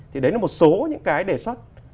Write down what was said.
thì đấy là một số những cái đề xuất